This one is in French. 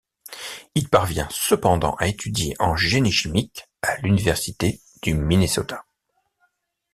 Il parvient cependant à étudier en génie chimique à l'Université du Minnesota.